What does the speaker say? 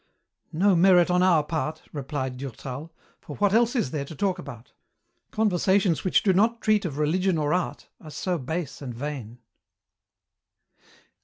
"No merit on our part," replied Durtal, "for what else is there to talk about? Conversations which do not treat of religion or art are so base and vain."